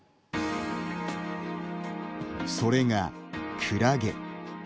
それが、クラゲ。